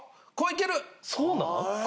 そうなん？